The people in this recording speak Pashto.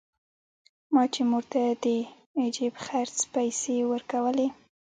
ما چې مور ته د جيب خرڅ پيسې ورکولې.